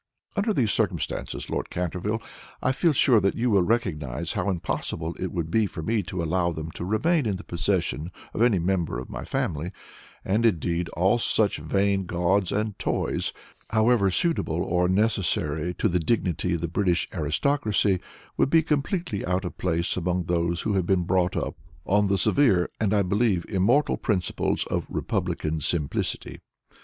Under these circumstances, Lord Canterville, I feel sure that you will recognize how impossible it would be for me to allow them to remain in the possession of any member of my family; and, indeed, all such vain gauds and toys, however suitable or necessary to the dignity of the British aristocracy, would be completely out of place among those who have been brought up on the severe, and I believe immortal, principles of Republican simplicity.